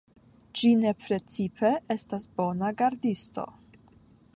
Ĝi ne precipe estas bona gardisto.